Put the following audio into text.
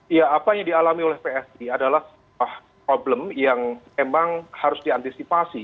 iya apa yang dialami oleh psi adalah sebuah problem yang memang harus diantisipasi